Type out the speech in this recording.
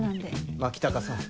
牧高さん。